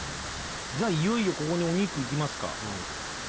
じゃあいよいよここにお肉いきますか。